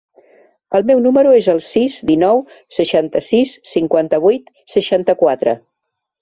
El meu número es el sis, dinou, seixanta-sis, cinquanta-vuit, seixanta-quatre.